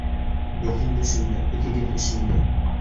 — Беҙҙең өсөн дә, үҙегеҙ өсөн дә.